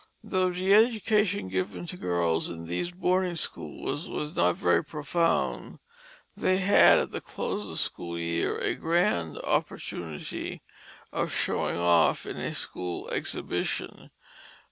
Though the education given to girls in these boarding schools was not very profound, they had at the close of the school year a grand opportunity of "showing off" in a school exhibition.